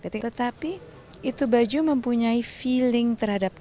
tetapi itu baju mempunyai feeling terhadap